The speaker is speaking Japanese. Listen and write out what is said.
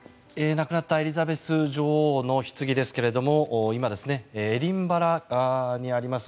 亡くなったエリザベス女王のひつぎですが今、エディンバラにあります